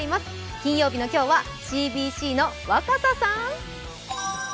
金曜日の今日はＣＢＣの若狭さん。